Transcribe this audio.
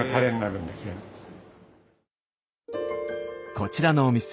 こちらのお店